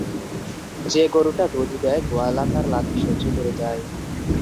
যে-গরুটা দুধ দেয়, গোয়ালা তার লাথি সহ্য করে যায়।